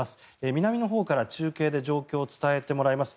南のほうから中継で状況を伝えてもらいます。